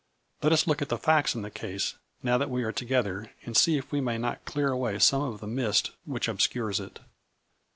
Let us look at the facts in the case, now that we are together, and see if we may not clear away some of the mist which obscures it.